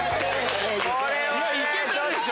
いけたでしょ？